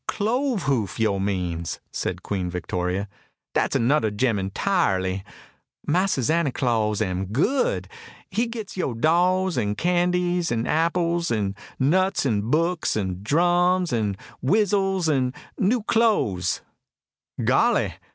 Clove hoof, yo' means," said Queen Victoria. "Dat's anodder gemman 'tirely. Mahser Zanty Claws am good. He gits yo' dolls, an' candies, an' apples, an' nuts, an' books, an' drums, an' wissels, an' new cloze." "Golly!